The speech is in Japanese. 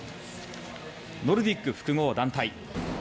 ノルディック複合団体。